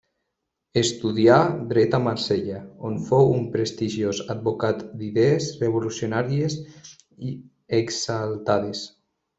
Estudià dret a Marsella, on fou un prestigiós advocat d'idees revolucionàries exaltades.